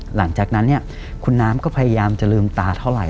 หลังจากนั้นเนี่ยคุณน้ำก็พยายามจะลืมตาเท่าไหร